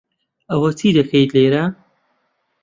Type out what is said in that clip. ئەوە چی دەکەیت لێرە؟